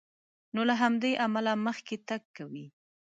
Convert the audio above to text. نو له همدې امله مخکې تګ کوي.